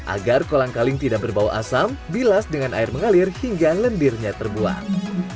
agar kolang kaling tidak berbau asam bilas dengan air mengalir hingga lendirnya terbuang